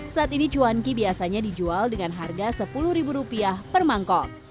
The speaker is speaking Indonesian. saat ini cuanki biasanya dijual dengan harga sepuluh rupiah per mangkok